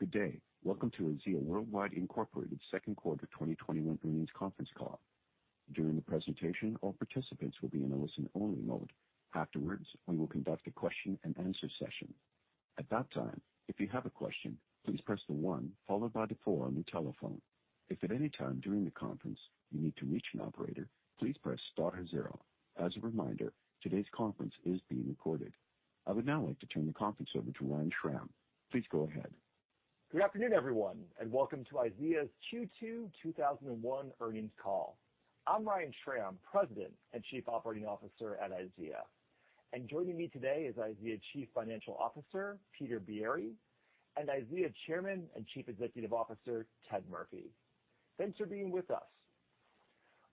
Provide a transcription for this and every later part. Good day. Welcome to IZEA Worldwide Incorporated second quarter 2021 earnings conference call. During the presentation, all participants will be in a listen-only mode. Afterwards, we will conduct a question-and-answer session. As a reminder, today's conference is being recorded. I would now like to turn the conference over to Ryan Schram. Please go ahead. Good afternoon, everyone, and welcome to IZEA's Q2 2021 earnings call. I'm Ryan Schram, President and Chief Operating Officer at IZEA. Joining me today is IZEA Chief Financial Officer, Peter Biere, and IZEA Chairman and Chief Executive Officer, Ted Murphy. Thanks for being with us.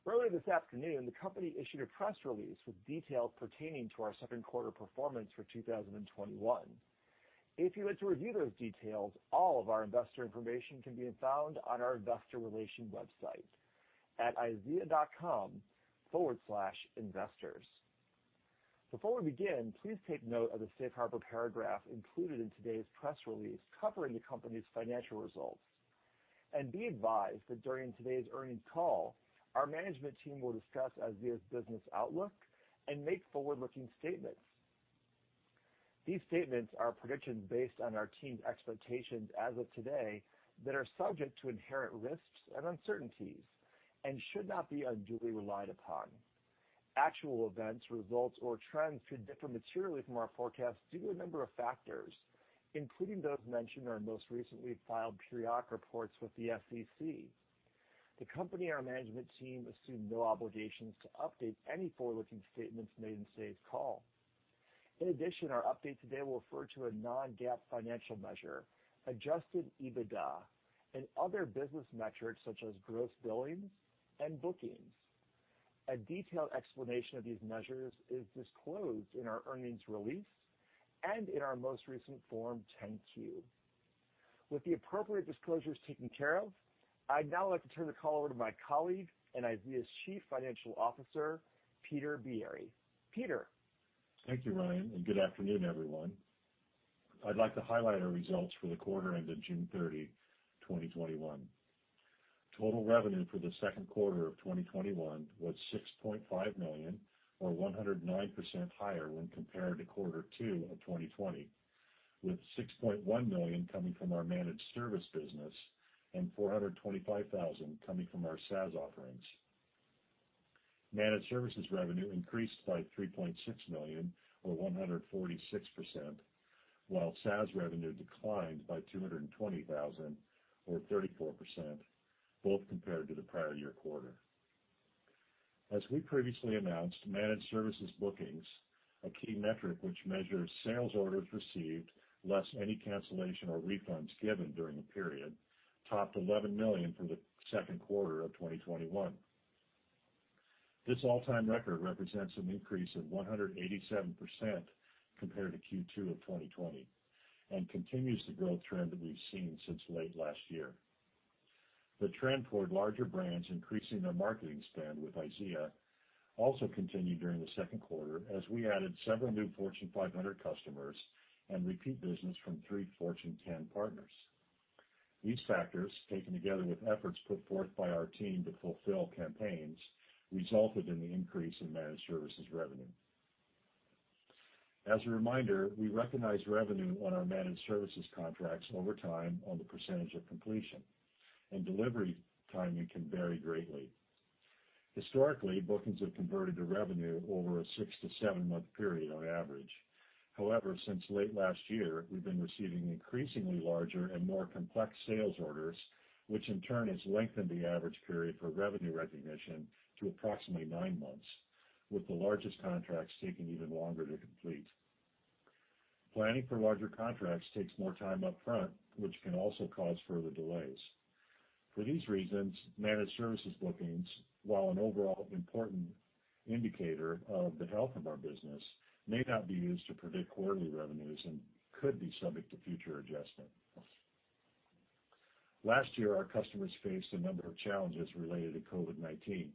Earlier this afternoon, the company issued a press release with details pertaining to our second quarter performance for 2021. If you would to review those details, all of our investor information can be found on our investor relation website at izea.com/investors. Before we begin, please take note of the safe harbor paragraph included in today's press release covering the company's financial results. Be advised that during today's earnings call, our management team will discuss IZEA's business outlook and make forward-looking statements. These statements are predictions based on our team's expectations as of today that are subject to inherent risks and uncertainties and should not be unduly relied upon. Actual events, results, or trends could differ materially from our forecasts due to a number of factors, including those mentioned in our most recently filed periodic reports with the SEC. The company and our management team assume no obligations to update any forward-looking statements made in today's call. In addition, our update today will refer to a non-GAAP financial measure, adjusted EBITDA, and other business metrics such as gross billings and bookings. A detailed explanation of these measures is disclosed in our earnings release and in our most recent Form 10-Q. With the appropriate disclosures taken care of, I'd now like to turn the call over to my colleague and IZEA's Chief Financial Officer, Peter Biere. Peter. Thank you, Ryan. Good afternoon, everyone. I'd like to highlight our results for the quarter ended June 30, 2021. Total revenue for the second quarter of 2021 was $6.5 million, or 109% higher when compared to quarter two of 2020, with $6.1 million coming from our Managed Services business and $425,000 coming from our SaaS offerings. Managed Services revenue increased by $3.6 million, or 146%, while SaaS revenue declined by $220,000, or 34%, both compared to the prior year quarter. As we previously announced, Managed Services bookings, a key metric which measures sales orders received less any cancellation or refunds given during the period, topped $11 million for the second quarter of 2021. This all-time record represents an increase of 187% compared to Q2 of 2020 and continues the growth trend that we've seen since late last year. The trend toward larger brands increasing their marketing spend with IZEA also continued during the second quarter as we added several new Fortune 500 customers and repeat business from three Fortune 10 partners. These factors, taken together with efforts put forth by our team to fulfill campaigns, resulted in the increase in Managed Services revenue. As a reminder, we recognize revenue on our Managed Services contracts over time on the percentage of completion, and delivery timing can vary greatly. Historically, bookings have converted to revenue over a six to seven-month period on average. Since late last year, we've been receiving increasingly larger and more complex sales orders, which in turn has lengthened the average period for revenue recognition to approximately nine months, with the largest contracts taking even longer to complete. Planning for larger contracts takes more time up front, which can also cause further delays. For these reasons, Managed Services bookings, while an overall important indicator of the health of our business, may not be used to predict quarterly revenues and could be subject to future adjustment. As a result, our customers faced a number of challenges related to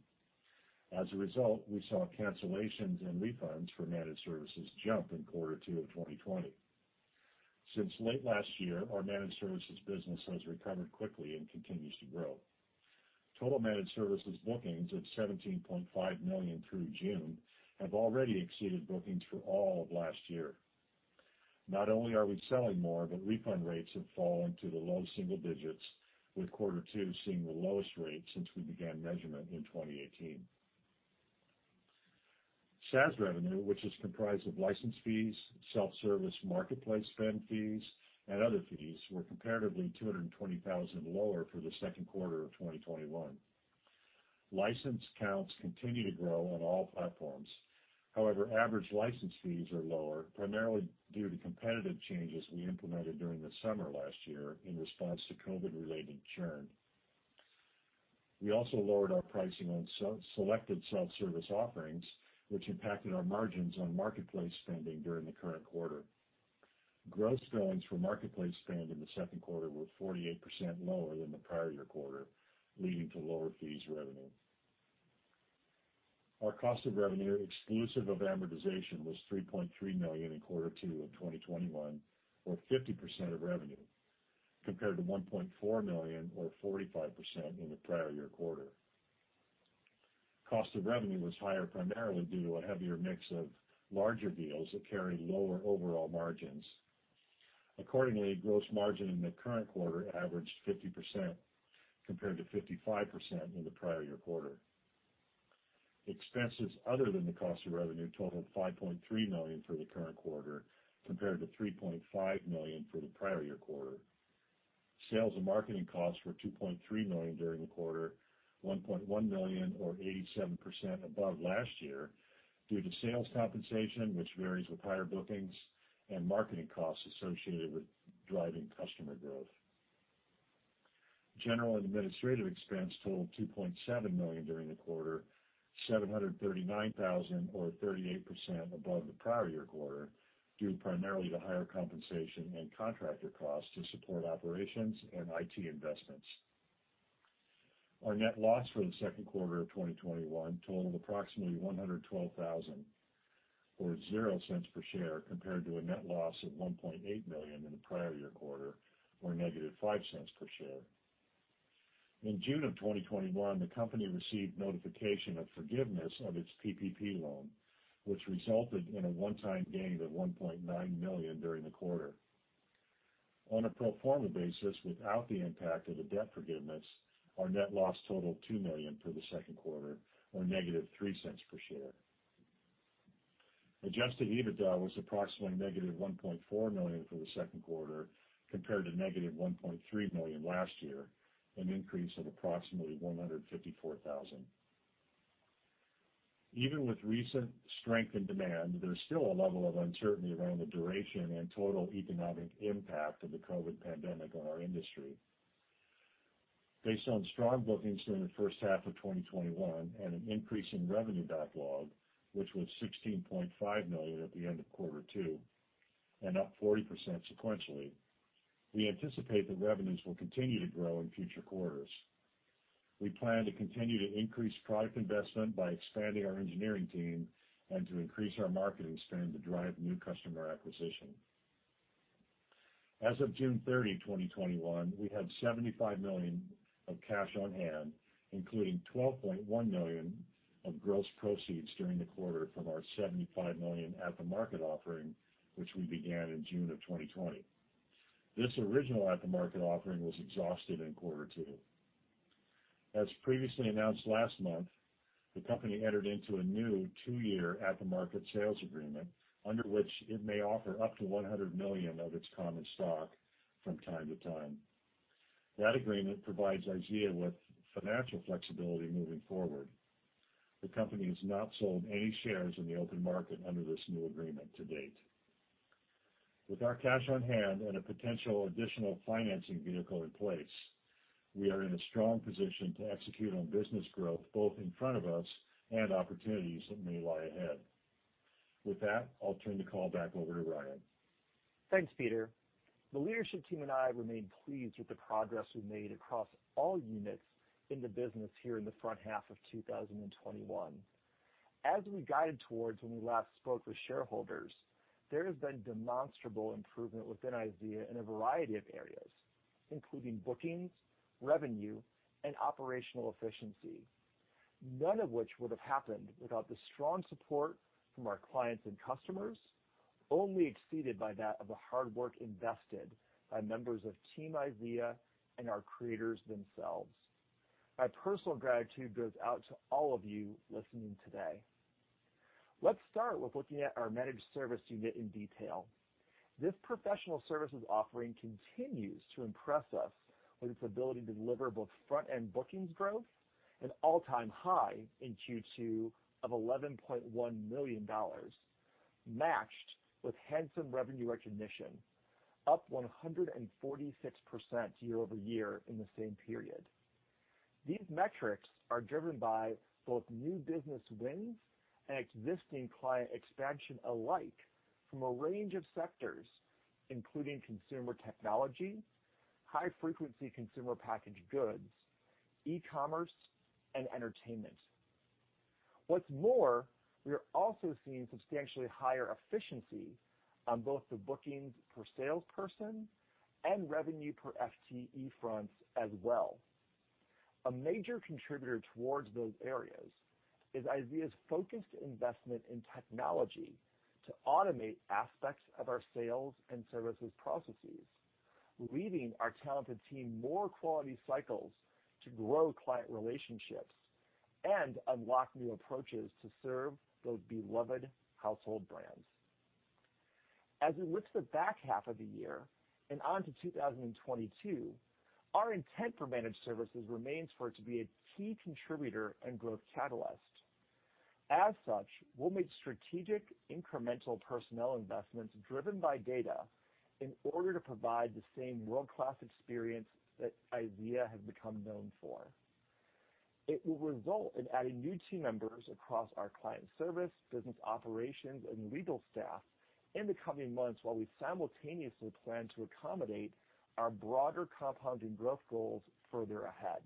COVID-19. We saw cancellations and refunds for Managed Services jump in Q2 2020. Since late last year, our Managed Services business has recovered quickly and continues to grow. Total Managed Services bookings of $17.5 million through June have already exceeded bookings for all of last year. Not only are we selling more, but refund rates have fallen to the low single digits with Q2 seeing the lowest rate since we began measurement in 2018. SaaS revenue, which is comprised of license fees, self-service marketplace spend fees, and other fees, were comparatively $220,000 lower for Q2 2021. License counts continue to grow on all platforms. Average license fees are lower, primarily due to competitive changes we implemented during the summer last year in response to COVID-related churn. We also lowered our pricing on selected self-service offerings, which impacted our margins on marketplace spending during the current quarter. Gross billings for marketplace spend in the second quarter were 48% lower than the prior year quarter, leading to lower fees revenue. Our cost of revenue, exclusive of amortization, was $3.3 million in Q2 2021 or 50% of revenue, compared to $1.4 million or 45% in the prior year quarter. Cost of revenue was higher primarily due to a heavier mix of larger deals that carry lower overall margins. Gross margin in the current quarter averaged 50%, compared to 55% in the prior year quarter. Expenses other than the cost of revenue totaled $5.3 million for the current quarter, compared to $3.5 million for the prior year quarter. Sales and marketing costs were $2.3 million during the quarter, $1.1 million or 87% above last year due to sales compensation, which varies with higher bookings and marketing costs associated with driving customer growth. General and administrative expense totaled $2.7 million during the quarter, $739,000 or 38% above the prior year quarter, due primarily to higher compensation and contractor costs to support operations and IT investments. Our net loss for the second quarter of 2021 totaled approximately $112,000, or $0.00 per share, compared to a net loss of $1.8 million in the prior year quarter, or -$0.05 per share. In June of 2021, the company received notification of forgiveness of its PPP loan, which resulted in a one-time gain of $1.9 million during the quarter. On a pro forma basis, without the impact of the debt forgiveness, our net loss totaled $2 million for the second quarter, or negative $0.03 per share. Adjusted EBITDA was approximately negative $1.4 million for the second quarter, compared to negative $1.3 million last year, an increase of approximately $154,000. Even with recent strength in demand, there's still a level of uncertainty around the duration and total economic impact of the COVID pandemic on our industry. Based on strong bookings during the first half of 2021 and an increase in revenue backlog, which was $16.5 million at the end of quarter two and up 40% sequentially, we anticipate that revenues will continue to grow in future quarters. We plan to continue to increase product investment by expanding our engineering team and to increase our marketing spend to drive new customer acquisition. As of June 30, 2021, we had $75 million of cash on hand, including $12.1 million of gross proceeds during the quarter from our $75 million at-the-market offering, which we began in June of 2020. This original at-the-market offering was exhausted in quarter two. As previously announced last month, the company entered into a new two-year at-the-market sales agreement, under which it may offer up to $100 million of its common stock from time to time. That agreement provides IZEA with financial flexibility moving forward. The company has not sold any shares in the open market under this new agreement to date. With our cash on hand and a potential additional financing vehicle in place, we are in a strong position to execute on business growth, both in front of us and opportunities that may lie ahead. With that, I'll turn the call back over to Ryan. Thanks, Peter. The leadership team and I remain pleased with the progress we've made across all units in the business here in the front half of 2021. As we guided towards when we last spoke with shareholders, there has been demonstrable improvement within IZEA in a variety of areas, including bookings, revenue, and operational efficiency. None of which would have happened without the strong support from our clients and customers, only exceeded by that of the hard work invested by members of Team IZEA and our creators themselves. My personal gratitude goes out to all of you listening today. Let's start with looking at our Managed Services unit in detail. This professional services offering continues to impress us with its ability to deliver both front-end bookings growth and all-time high in Q2 of $11.1 million, matched with handsome revenue recognition, up 146% year-over-year in the same period. These metrics are driven by both new business wins and existing client expansion alike from a range of sectors, including consumer technology, high-frequency consumer packaged goods, e-commerce, and entertainment. What's more, we are also seeing substantially higher efficiency on both the bookings per salesperson and revenue per FTE fronts as well. A major contributor towards those areas is IZEA's focused investment in technology to automate aspects of our sales and services processes, leaving our talented team more quality cycles to grow client relationships and unlock new approaches to serve those beloved household brands. As we look to the back half of the year and onto 2022, our intent for Managed Services remains for it to be a key contributor and growth catalyst. As such, we'll make strategic, incremental personnel investments driven by data in order to provide the same world-class experience that IZEA has become known for. It will result in adding new team members across our client service, business operations, and legal staff in the coming months, while we simultaneously plan to accommodate our broader compounding growth goals further ahead.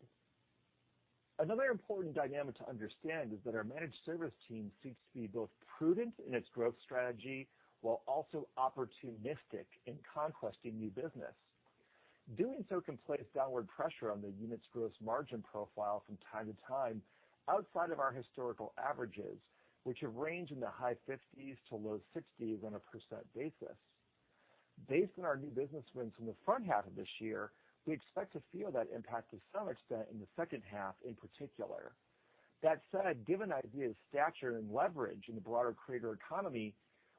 Another important dynamic to understand is that our Managed Services team seeks to be both prudent in its growth strategy while also opportunistic in conquesting new business. Doing so can place downward pressure on the unit's gross margin profile from time to time outside of our historical averages, which have ranged in the high 50s to low 60s on a percent basis. Based on our new business wins in the front half of this year, we expect to feel that impact to some extent in the second half in particular. That said, given IZEA's stature and leverage in the broader creator economy,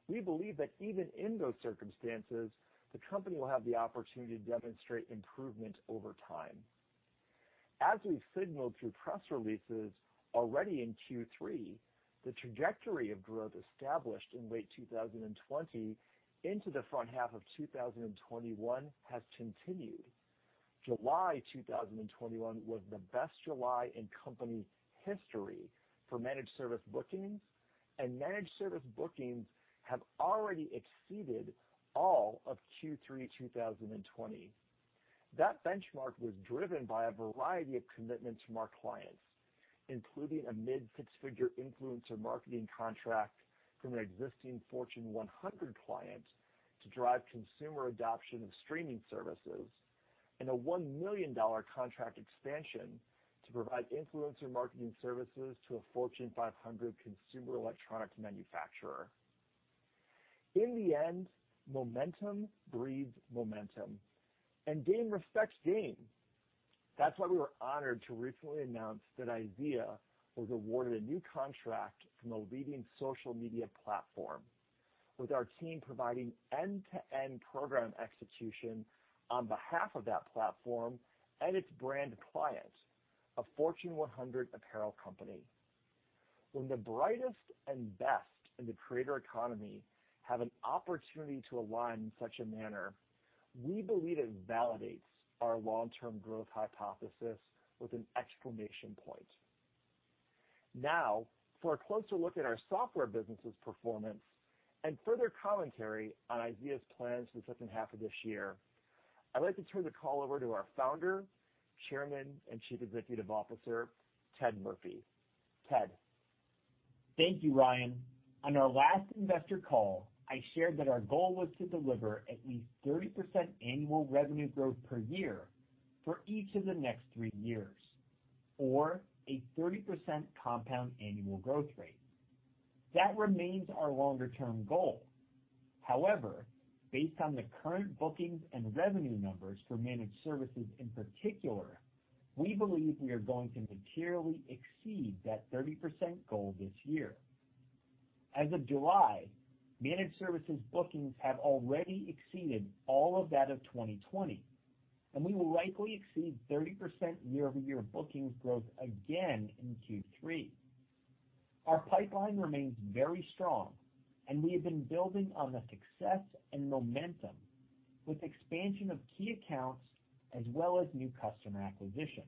we believe that even in those circumstances, the company will have the opportunity to demonstrate improvement over time. As we've signaled through press releases already in Q3, the trajectory of growth established in late 2020 into the front half of 2021 has continued. July 2021 was the best July in company history for Managed Services bookings, and Managed Services bookings have already exceeded all of Q3 2020. That benchmark was driven by a variety of commitments from our clients, including a mid six-figure influencer marketing contract from an existing Fortune 100 client to drive consumer adoption of streaming services and a $1 million contract expansion to provide influencer marketing services to a Fortune 500 consumer electronics manufacturer. In the end, momentum breeds momentum, and game respects game. That's why we were honored to recently announce that IZEA was awarded a new contract from a leading social media platform with our team providing end-to-end program execution on behalf of that platform and its brand client, a Fortune 100 apparel company. When the brightest and best in the creator economy have an opportunity to align in such a manner, we believe it validates our long-term growth hypothesis with an exclamation point. For a closer look at our software business's performance and further commentary on IZEA's plans for the second half of this year, I'd like to turn the call over to our Founder, Chairman, and Chief Executive Officer, Ted Murphy. Ted. Thank you, Ryan. On our last investor call, I shared that our goal was to deliver at least 30% annual revenue growth per year for each of the next three years or a 30% compound annual growth rate. That remains our longer-term goal. However, based on the current bookings and revenue numbers for Managed Services in particular, we believe we are going to materially exceed that 30% goal this year. As of July, Managed Services bookings have already exceeded all of that of 2020, and we will likely exceed 30% year-over-year bookings growth again in Q3. Our pipeline remains very strong, and we have been building on the success and momentum with expansion of key accounts as well as new customer acquisition.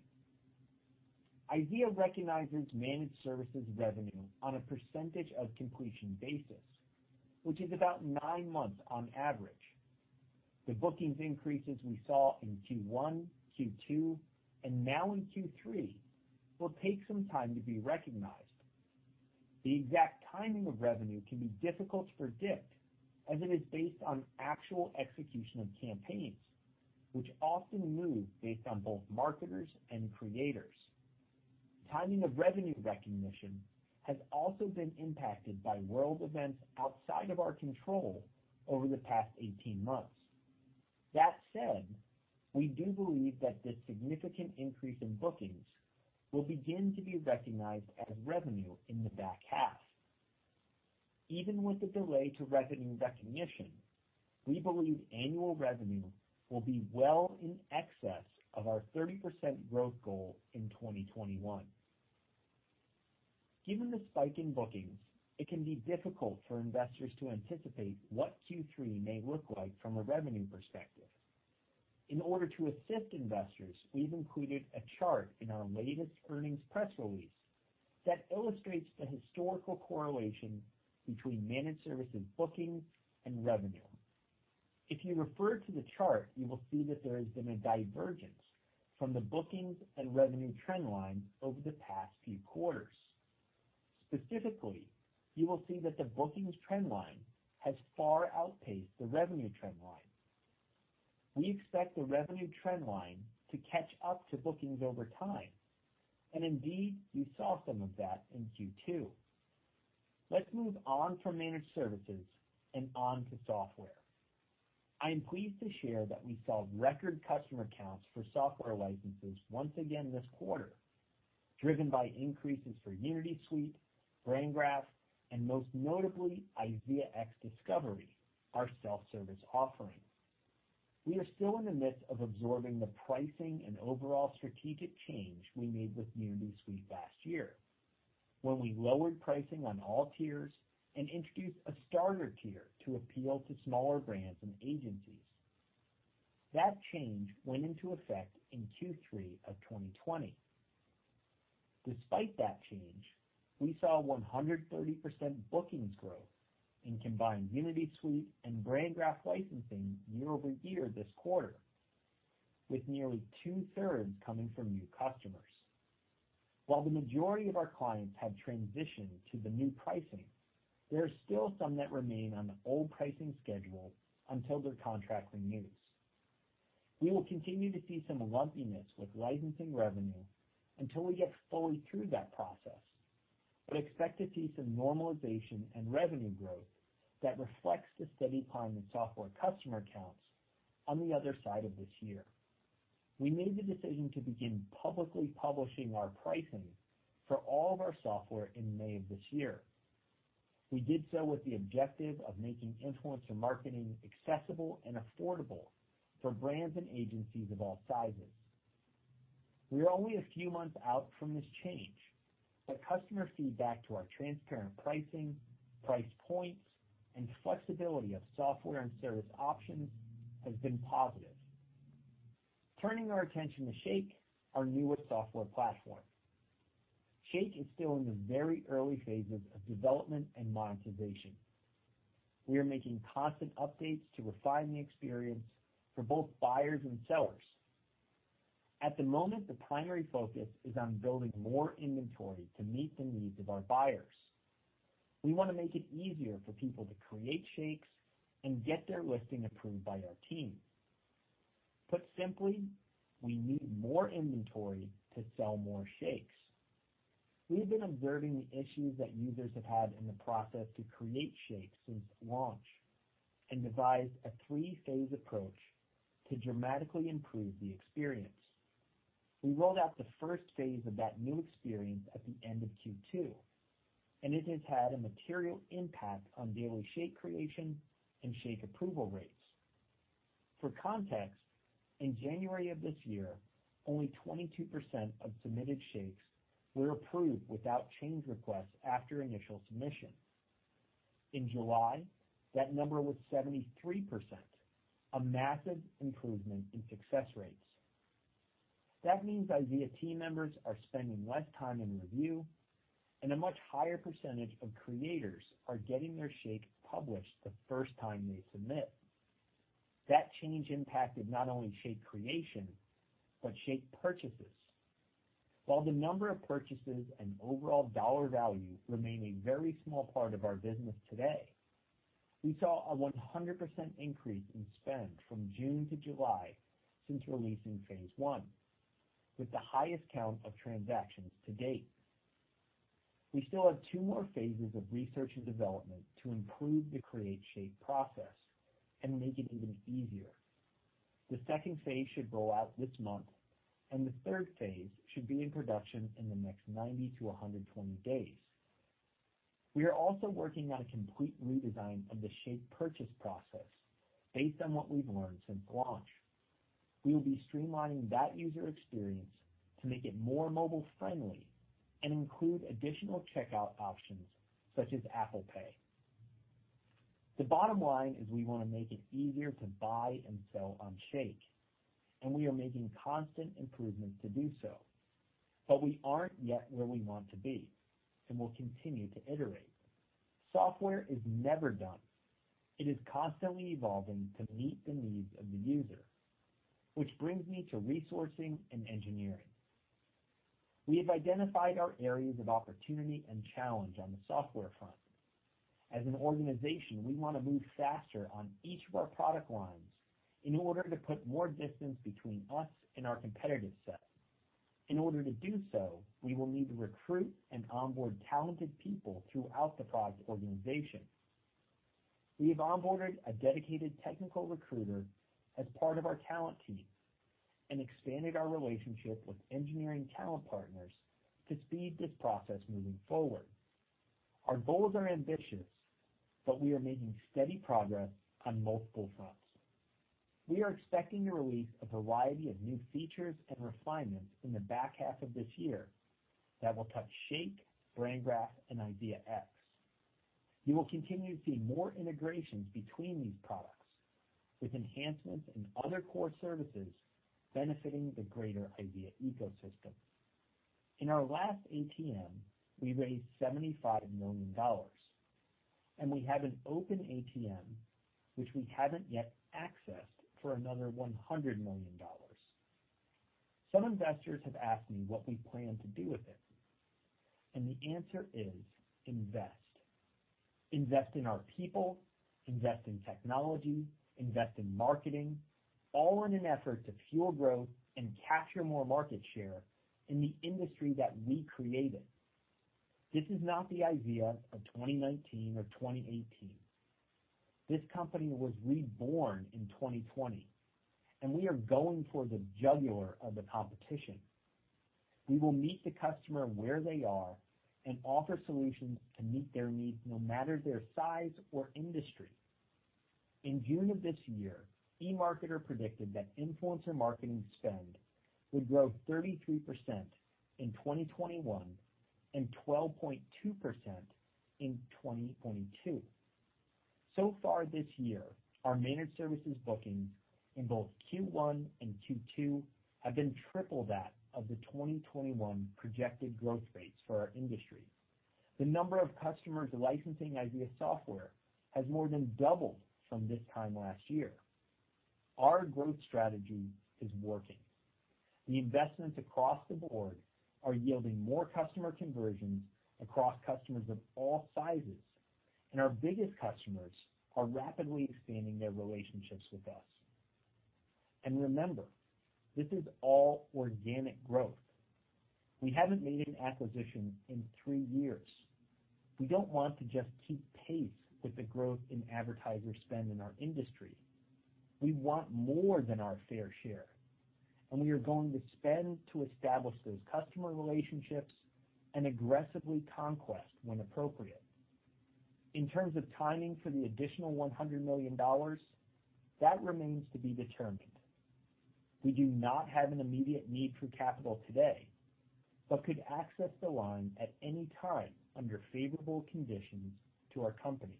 IZEA recognizes Managed Services revenue on a percentage of completion basis, which is about nine months on average. The bookings increases we saw in Q1, Q2, and now in Q3 will take some time to be recognized. The exact timing of revenue can be difficult to predict as it is based on actual execution of campaigns, which often move based on both marketers and creators. Timing of revenue recognition has also been impacted by world events outside of our control over the past 18 months. That said, we do believe that this significant increase in bookings will begin to be recognized as revenue in the back half. Even with the delay to revenue recognition, we believe annual revenue will be well in excess of our 30% growth goal in 2021. Given the spike in bookings, it can be difficult for investors to anticipate what Q3 may look like from a revenue perspective. In order to assist investors, we've included a chart in our latest earnings press release that illustrates the historical correlation between Managed Services bookings and revenue. If you refer to the chart, you will see that there has been a divergence from the bookings and revenue trend line over the past few quarters. Specifically, you will see that the bookings trend line has far outpaced the revenue trend line. We expect the revenue trend line to catch up to bookings over time. Indeed, you saw some of that in Q2. Let's move on from Managed Services and on to software. I am pleased to share that we saw record customer counts for software licenses once again this quarter, driven by increases for Unity Suite, BrandGraph, and most notably IZEAx Discovery, our self-service offering. We are still in the midst of absorbing the pricing and overall strategic change we made with Unity Suite last year when we lowered pricing on all tiers and introduced a starter tier to appeal to smaller brands and agencies. That change went into effect in Q3 of 2020. Despite that change, we saw 130% bookings growth in combined Unity Suite and BrandGraph licensing year-over-year this quarter, with nearly two-thirds coming from new customers. While the majority of our clients have transitioned to the new pricing, there are still some that remain on the old pricing schedule until their contract renews. We will continue to see some lumpiness with licensing revenue until we get fully through that process, but expect to see some normalization and revenue growth that reflects the steady climb in software customer counts on the other side of this year. We made the decision to begin publicly publishing our pricing for all of our software in May of this year. We did so with the objective of making influencer marketing accessible and affordable for brands and agencies of all sizes. We are only a few months out from this change, but customer feedback to our transparent pricing, price points, and flexibility of software and service options has been positive. Turning our attention to Shake, our newest software platform. Shake is still in the very early phases of development and monetization. We are making constant updates to refine the experience for both buyers and sellers. At the moment, the primary focus is on building more inventory to meet the needs of our buyers. We want to make it easier for people to create Shakes and get their listing approved by our team. Put simply, we need more inventory to sell more Shakes. We have been observing the issues that users have had in the process to create Shakes since launch and devised a three-phase approach to dramatically improve the experience. We rolled out the first phase of that new experience at the end of Q2, and it has had a material impact on daily Shake creation and Shake approval rates. For context, in January of this year, only 22% of submitted Shakes were approved without change requests after initial submission. In July, that number was 73%, a massive improvement in success rates. That means IZEA team members are spending less time in review and a much higher percentage of creators are getting their Shake published the first time they submit. That change impacted not only Shake creation, but Shake purchases. While the number of purchases and overall dollar value remain a very small part of our business today, we saw a 100% increase in spend from June to July since releasing phase one, with the highest count of transactions to date. We still have two more phases of research and development to improve the create Shake process and make it even easier. The second phase should roll out this month. The third phase should be in production in the next 90 to 120 days. We are also working on a complete redesign of the Shake purchase process based on what we've learned since launch. We will be streamlining that user experience to make it more mobile-friendly and include additional checkout options such as Apple Pay. The bottom line is we want to make it easier to buy and sell on Shake, and we are making constant improvements to do so. We aren't yet where we want to be and will continue to iterate. Software is never done. It is constantly evolving to meet the needs of the user. Which brings me to resourcing and engineering. We have identified our areas of opportunity and challenge on the software front. As an organization, we want to move faster on each of our product lines in order to put more distance between us and our competitive set. In order to do so, we will need to recruit and onboard talented people throughout the product organization. We have onboarded a dedicated technical recruiter as part of our talent team and expanded our relationship with engineering talent partners to speed this process moving forward. Our goals are ambitious, but we are making steady progress on multiple fronts. We are expecting to release a variety of new features and refinements in the back half of this year that will touch Shake, BrandGraph, and IZEAx. You will continue to see more integrations between these products, with enhancements in other core services benefiting the greater IZEA ecosystem. In our last ATM, we raised $75 million, and we have an open ATM, which we haven't yet accessed, for another $100 million. Some investors have asked me what we plan to do with it, and the answer is invest. Invest in our people, invest in technology, invest in marketing, all in an effort to fuel growth and capture more market share in the industry that we created. This is not the IZEA of 2019 or 2018. This company was reborn in 2020, and we are going for the jugular of the competition. We will meet the customer where they are and offer solutions to meet their needs no matter their size or industry. In June of this year, eMarketer predicted that influencer marketing spend would grow 33% in 2021 and 12.2% in 2022. Far this year, our Managed Services bookings in both Q1 and Q2 have been triple that of the 2021 projected growth rates for our industry. The number of customers licensing IZEA software has more than doubled from this time last year. Our growth strategy is working. The investments across the board are yielding more customer conversions across customers of all sizes, and our biggest customers are rapidly expanding their relationships with us. Remember, this is all organic growth. We haven't made an acquisition in three years. We don't want to just keep pace with the growth in advertiser spend in our industry. We want more than our fair share, and we are going to spend to establish those customer relationships and aggressively conquest when appropriate. In terms of timing for the additional $100 million, that remains to be determined. We do not have an immediate need for capital today, but could access the line at any time under favorable conditions to our company.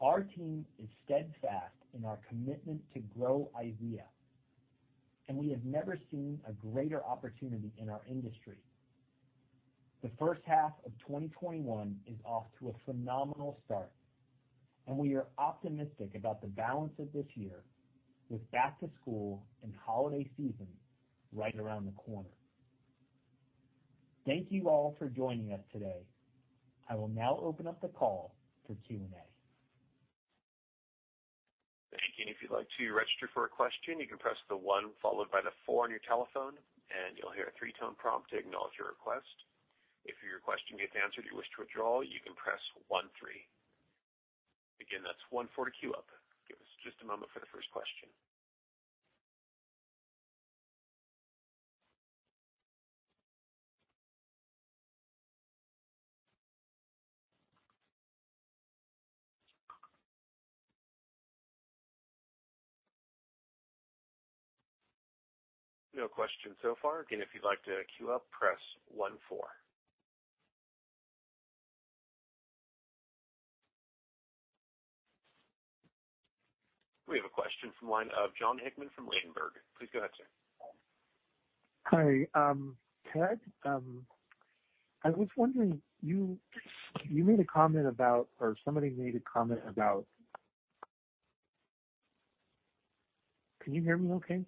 Our team is steadfast in our commitment to grow IZEA, and we have never seen a greater opportunity in our industry. The first half of 2021 is off to a phenomenal start, and we are optimistic about the balance of this year with back to school and holiday season right around the corner. Thank you all for joining us today. I will now open up the call for Q&A. Thank you. If you'd like to register for a question, you can press the one followed by the four on your telephone, and you'll hear a three-tone prompt to acknowledge your request. If your question gets answered, you wish to withdraw, you can press one three. Again, that's one four to queue up. Give us just a moment for the first question. No questions so far. Again, if you'd like to queue up, press one four. We have a question from line of Jon Hickman from Ladenburg. Please go ahead, sir. Hi. Ted, I was wondering, you made a comment about or somebody made a comment about. Can you hear me okay?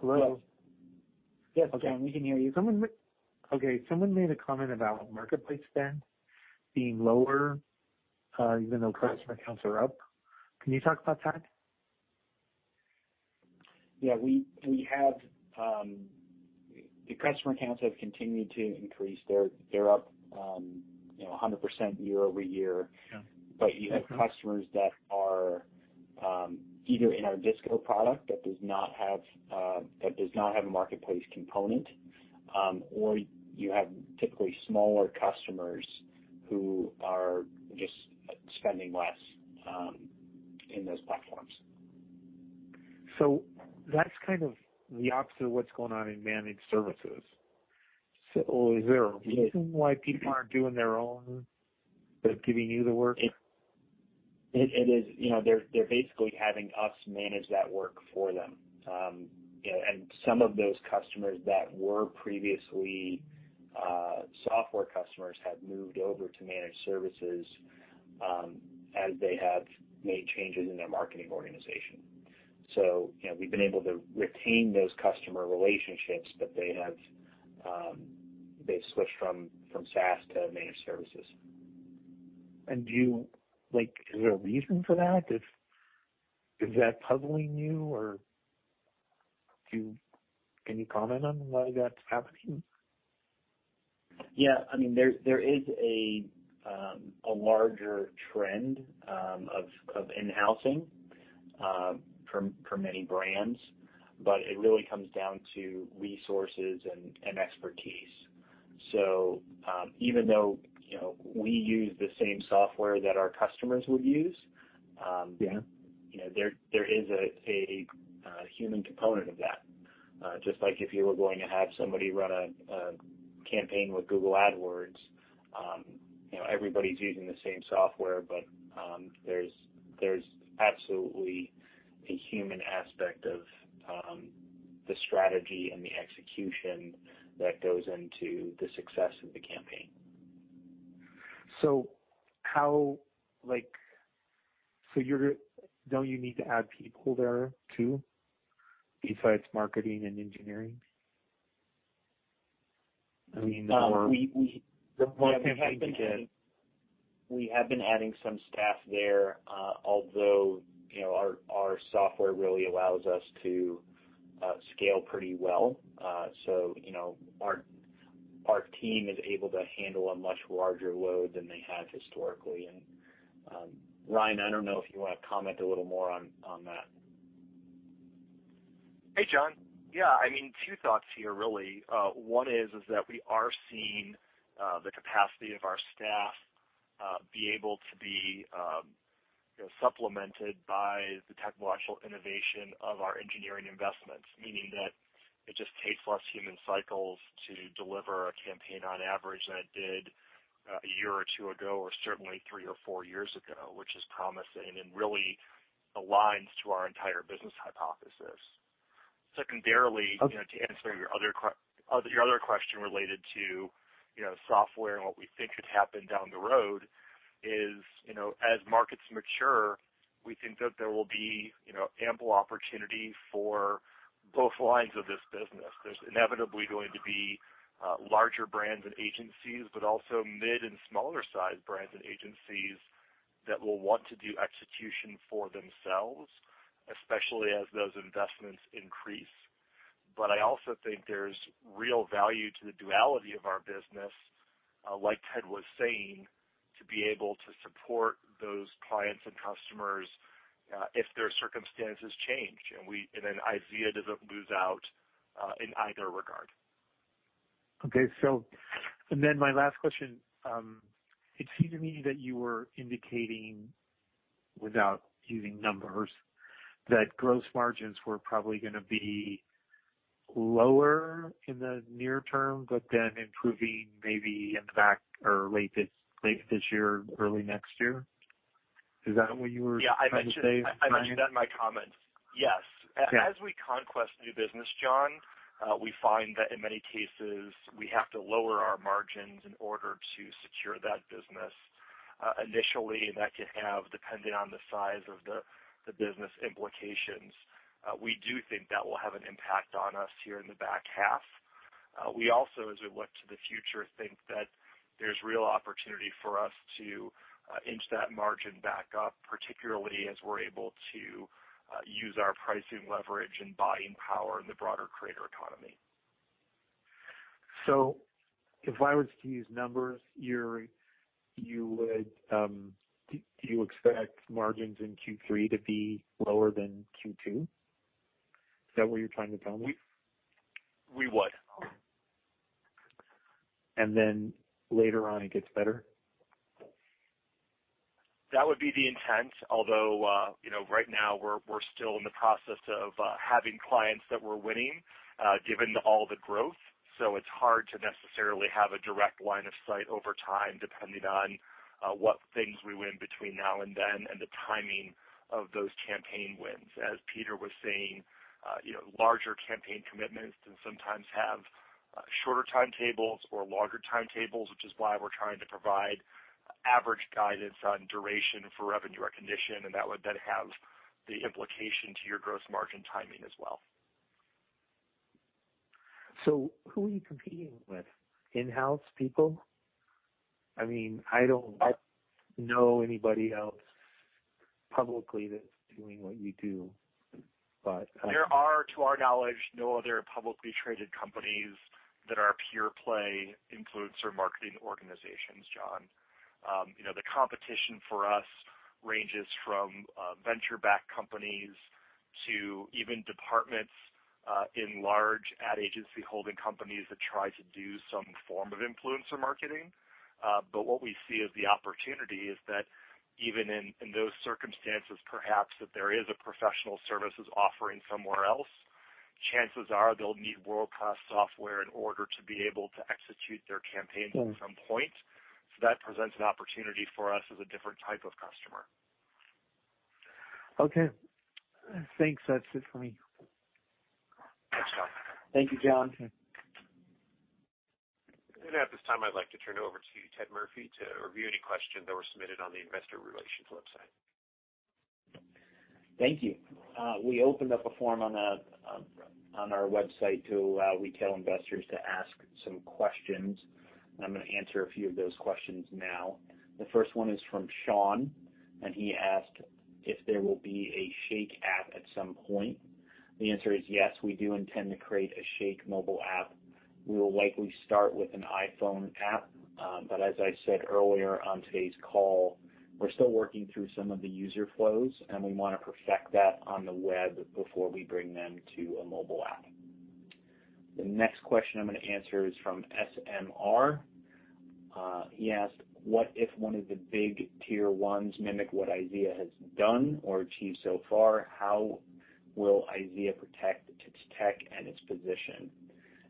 Hello? Yes, Jon, we can hear you. Okay. Someone made a comment about marketplace spend being lower, even though customer counts are up. Can you talk about that? Yeah. The customer counts have continued to increase. They're up 100% year-over-year. Yeah. Okay. You have customers that are either in our Discovery product that does not have a marketplace component, or you have typically smaller customers who are just spending less in those platforms. That's kind of the opposite of what's going on in Managed Services. Is there a reason why people aren't doing their own, but giving you the work? They're basically having us manage that work for them. Some of those customers that were previously software customers have moved over to Managed Services as they have made changes in their marketing organization. We've been able to retain those customer relationships, but they've switched from SaaS to Managed Services. Is there a reason for that? Is that puzzling you or can you comment on why that's happening? Yeah. There is a larger trend of in-housing for many brands, but it really comes down to resources and expertise. Even though we use the same software that our customers would use. Yeah There is a human component of that. Just like if you were going to have somebody run a campaign with Google Ads, everybody's using the same software, but there's absolutely a human aspect of the strategy and the execution that goes into the success of the campaign. Don't you need to add people there too, besides marketing and engineering? We have been adding some staff there, although our software really allows us to scale pretty well. Our team is able to handle a much larger load than they have historically. Ryan, I don't know if you want to comment a little more on that. Hey, Jon. Yeah, two thoughts here really. One is that we are seeing the capacity of our staff be able to be supplemented by the technological innovation of our engineering investments, meaning that it just takes less human cycles to deliver a campaign on average than it did a year or two ago, or certainly three or four years ago, which is promising and really aligns to our entire business hypothesis. Secondarily, to answer your other question related to software and what we think could happen down the road is, as markets mature, we think that there will be ample opportunity for both lines of this business. There's inevitably going to be larger brands and agencies, but also mid and smaller sized brands and agencies that will want to do execution for themselves, especially as those investments increase. I also think there's real value to the duality of our business, like Ted was saying, to be able to support those clients and customers, if their circumstances change, and then IZEA doesn't lose out in either regard. Okay. My last question. It seemed to me that you were indicating, without using numbers, that gross margins were probably going to be lower in the near term, but then improving maybe in the back or late this year, early next year. Is that what you were trying to say? Yeah, I mentioned that in my comments. Yes. Okay. As we conquest new business, Jon, we find that in many cases, we have to lower our margins in order to secure that business. Initially, that could have, depending on the size of the business, implications. We do think that will have an impact on us here in the back half. We also, as we look to the future, think that there's real opportunity for us to inch that margin back up, particularly as we're able to use our pricing leverage and buying power in the broader creator economy. If I was to use numbers, do you expect margins in Q3 to be lower than Q2? Is that what you're trying to tell me? We would. Later on, it gets better? That would be the intent, although, right now we're still in the process of having clients that we're winning, given all the growth. It's hard to necessarily have a direct line of sight over time, depending on what things we win between now and then and the timing of those campaign wins. As Peter was saying, larger campaign commitments can sometimes have shorter timetables or longer timetables, which is why we're trying to provide average guidance on duration for revenue recognition, and that would then have the implication to your gross margin timing as well. Who are you competing with? In-house people? I don't know anybody else publicly that's doing what you do. There are, to our knowledge, no other publicly traded companies that are pure-play influencer marketing organizations, Jon. The competition for us ranges from venture-backed companies to even departments in large ad agency holding companies that try to do some form of influencer marketing. What we see as the opportunity is that even in those circumstances, perhaps, that there is a professional services offering somewhere else, chances are they'll need world-class software in order to be able to execute their campaigns at some point. That presents an opportunity for us as a different type of customer. Okay. Thanks. That's it for me. Thanks, Jon. Thank you, Jon. At this time, I'd like to turn it over to Ted Murphy to review any questions that were submitted on the investor relations website. Thank you. We opened up a form on our website to allow retail investors to ask some questions, and I'm going to answer a few of those questions now. The first one is from Sean, and he asked if there will be a Shake app at some point. The answer is yes. We do intend to create a Shake mobile app. We will likely start with an iPhone app. As I said earlier on today's call, we're still working through some of the user flows, and we want to perfect that on the web before we bring them to a mobile app. The next question I'm going to answer is from SMR. He asked, "What if one of the big tier ones mimic what IZEA has done or achieved so far? How will IZEA protect its tech and its position?"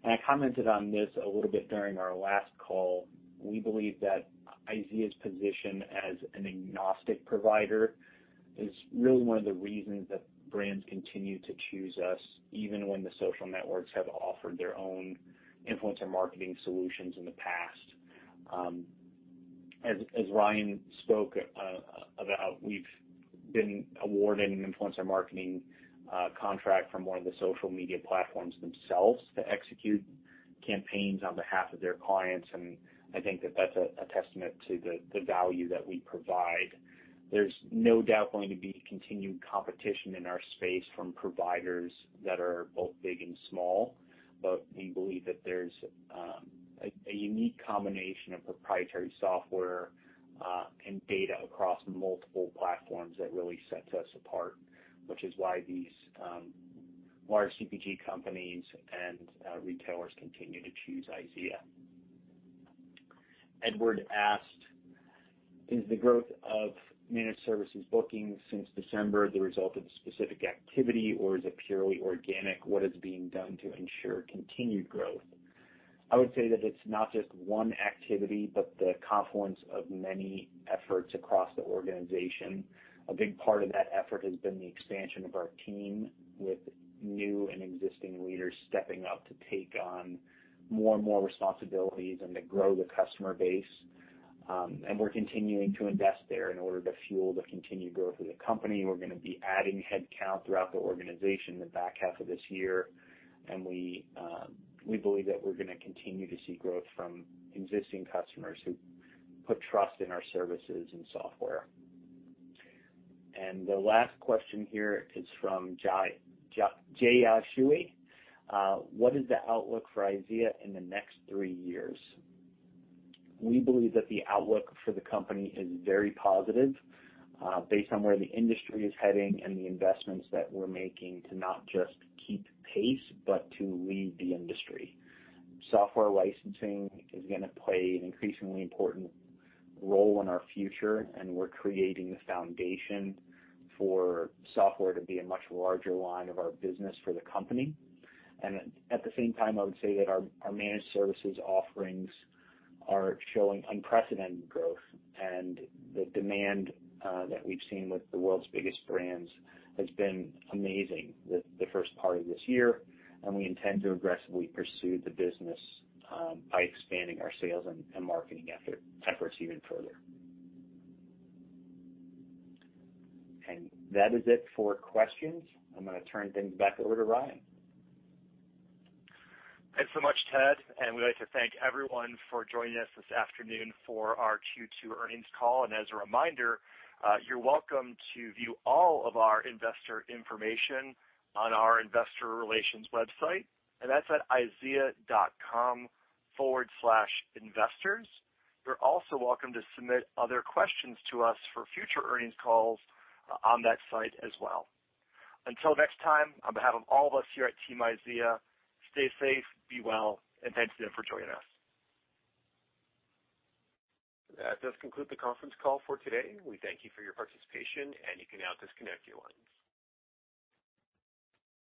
I commented on this a little bit during our last call. We believe that IZEA's position as an agnostic provider is really one of the reasons that brands continue to choose us, even when the social networks have offered their own influencer marketing solutions in the past. As Ryan spoke about, we've been awarded an influencer marketing contract from one of the social media platforms themselves to execute campaigns on behalf of their clients, and I think that that's a testament to the value that we provide. There's no doubt going to be continued competition in our space from providers that are both big and small. We believe that there's a unique combination of proprietary software and data across multiple platforms that really sets us apart, which is why these large CPG companies and retailers continue to choose IZEA. Edward asked, "Is the growth of Managed Services bookings since December the result of specific activity, or is it purely organic? What is being done to ensure continued growth?" I would say that it's not just one activity, but the confluence of many efforts across the organization. A big part of that effort has been the expansion of our team, with new and existing leaders stepping up to take on more and more responsibilities and to grow the customer base. We're continuing to invest there in order to fuel the continued growth of the company. We're going to be adding headcount throughout the organization in the back half of this year. We believe that we're going to continue to see growth from existing customers who put trust in our services and software. The last question here is from Jasui. "What is the outlook for IZEA in the next three years?" We believe that the outlook for the company is very positive, based on where the industry is heading and the investments that we're making to not just keep pace, but to lead the industry. Software licensing is going to play an increasingly important role in our future, and we're creating the foundation for software to be a much larger line of our business for the company. At the same time, I would say that our Managed Services offerings are showing unprecedented growth. The demand that we've seen with the world's biggest brands has been amazing the first part of this year. We intend to aggressively pursue the business by expanding our sales and marketing efforts even further. That is it for questions. I'm going to turn things back over to Ryan. Thanks so much, Ted. We'd like to thank everyone for joining us this afternoon for our Q2 earnings call. As a reminder, you're welcome to view all of our investor information on our investor relations website, and that's at izea.com/investors. You're also welcome to submit other questions to us for future earnings calls on that site as well. Until next time, on behalf of all of us here at Team IZEA, stay safe, be well, and thanks again for joining us. That does conclude the conference call for today. We thank you for your participation, and you can now disconnect your lines.